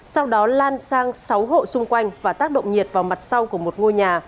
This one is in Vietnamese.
sau đó lan sang sáu hộ xung quanh và tác động nhiệt vào mặt sau của một ngôi nhà